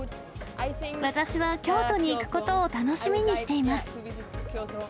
私は京都に行くことを楽しみにしています。